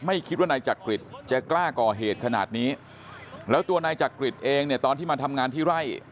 ไม่คิดว่านายจักริตจะกล้าก่อเหตุขนาดนี้แล้วตัวนายจักริตเองเนี่ยตอนที่มาทำงานที่ไร่